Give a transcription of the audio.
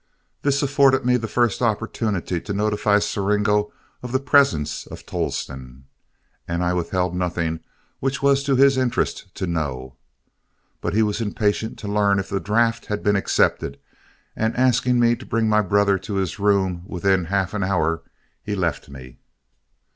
This afforded me the first opportunity to notify Siringo of the presence of Tolleston, and I withheld nothing which was to his interest to know. But he was impatient to learn if the draft had been accepted, and asking me to bring my brother to his room within half an hour, he left me.